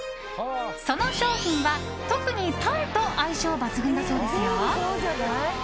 その商品は特にパンと相性抜群だそうですよ。